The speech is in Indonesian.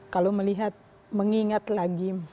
kalau melihat mengingat lagi